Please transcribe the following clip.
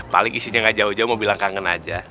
paling isinya gak jauh jauh mau bilang kangen aja